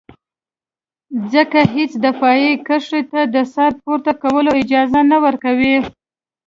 ځکه هېڅ دفاعي کرښې ته د سر پورته کولو اجازه نه ورکوي.